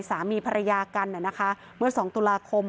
สามีภรรยากันเนี่ยนะคะเมื่อ๒ตุลาคม